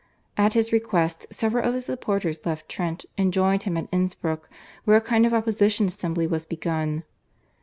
At his request several of his supporters left Trent and joined him at Innsbruck, where a kind of opposition assembly was begun.